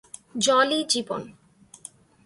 জলই জীবন।